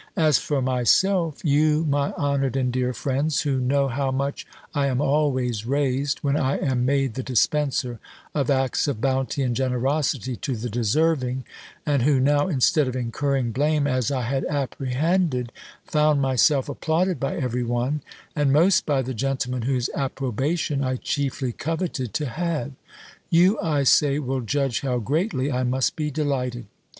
As for myself, you, my honoured and dear friends, who know how much I am always raised, when I am made the dispenser of acts of bounty and generosity to the deserving; and who now instead of incurring blame, as I had apprehended, found myself applauded by every one, and most by the gentleman whose approbation I chiefly coveted to have: you, I say, will judge how greatly I must be delighted.